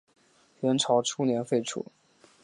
元朝初年废除。